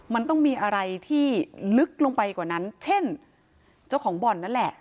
มันต้องมีอะไรที่ลึกลงไปกว่านั้นเช่นเจ้าของบ่อนนั่นแหละ